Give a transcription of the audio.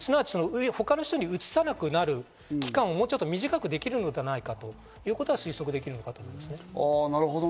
他の人にうつさなくなる期間をもうちょっと短くできるのではないかということが推測できます。